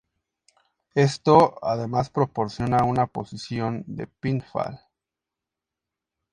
Esto además proporciona una posición de pinfall.